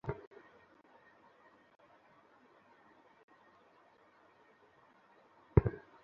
দেখলেন, তাঁর স্ত্রী আসমা বিনতে উমাইস স্বামীকে স্বাগত জানাতে প্রস্তুত হচ্ছেন।